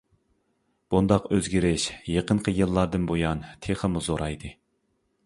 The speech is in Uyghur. بۇنداق ئۆزگىرىش يېقىنقى يىللاردىن بۇيان تېخىمۇ زورايدى.